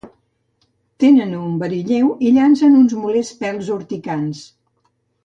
Tenen un verí lleu i llancen uns molests pèls urticants.